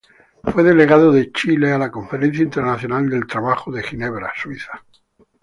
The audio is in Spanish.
Fue Delegado de Chile a la Conferencia Internacional del Trabajo, en Ginebra, Suiza.